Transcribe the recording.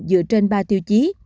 dựa trên ba tiêu chí